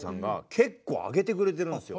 結構挙げてくれてるんですよ。